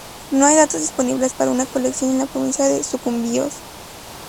No hay datos disponibles para una colección en la provincia de Sucumbíos.